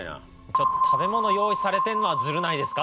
ちょっと食べ物用意されてるのはずるないですか？